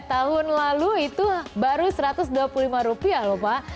tahun lalu itu baru satu ratus dua puluh lima rupiah lho pak